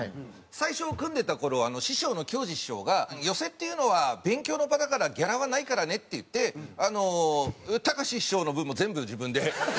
最初組んでた頃師匠の京二師匠が「寄席っていうのは勉強の場だからギャラはないからね」って言ってたかし師匠の分も全部自分で。